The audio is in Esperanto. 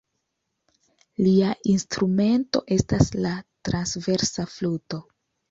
Lia instrumento estas la transversa fluto.